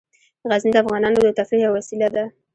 غزني د افغانانو د تفریح یوه وسیله ده.